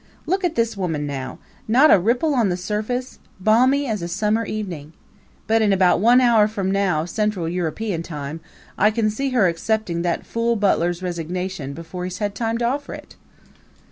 Look at this woman now not a ripple on the surface balmy as a summer evening! But in about one hour from now, Central European time, I can see her accepting that fool butler's resignation before he's had time to offer it!"